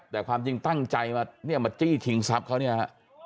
แต่ความจริงตั้งใจมาจี้ถิ่งทรัพย์เค้าเนี้ย